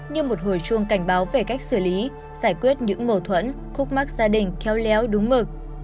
như một hồi chuông cảnh báo về cách xử lý giải quyết những mầu thuẫn khúc mắt gia đình kheo léo đúng mực